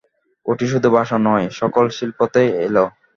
ওটি শুধু ভাষায় নয়, সকল শিল্পতেই এল।